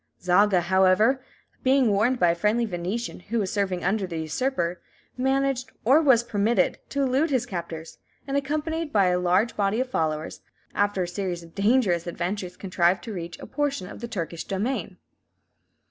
Zaga, however, being warned by a friendly Venetian, who was serving under the usurper, managed, or was permitted, to elude his captors, and, accompanied by a large body of followers, after a series of dangerous adventures contrived to reach a portion of the Turkish domain.